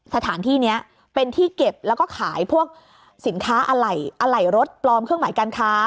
สถานที่นี้เป็นที่เก็บแล้วก็ขายพวกอัล่ายรถปลอมเครื่องของการคะ